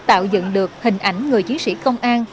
tạo dựng được hình ảnh người chiến sĩ công an